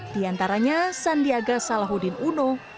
di antaranya sandiaga salahuddin uno